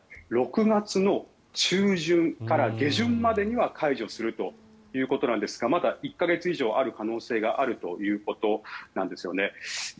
６月の中旬から下旬までには解除するということなんですがまだ１か月以上ある可能性があるということなんですね。